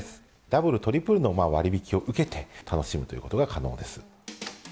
ダブル、トリプルの割引を受けて、楽しむということが可能です。